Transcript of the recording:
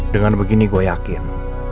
dengan begini gue yakin